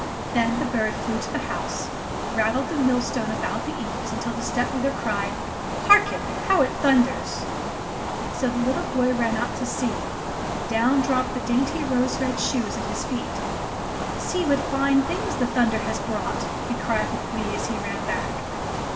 Then the bird flew to the house, and rattled the millstone about the eaves until the stepmother cried, "Harken! How it thunders !" So the little boy ran out to see, and down dropped the dainty rose red shoes at his feet. "See what fine things the thunder has brought !" he cried with glee as he ran back.